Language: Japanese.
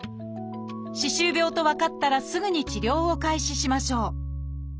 歯周病と分かったらすぐに治療を開始しましょう